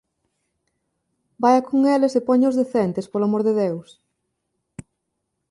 Vaia con eles e póñaos decentes, polo amor de Deus!